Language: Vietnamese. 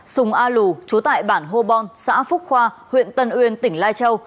sùng a lù chú tại bản hô bon xã phúc khoa huyện tân uyên tỉnh lai châu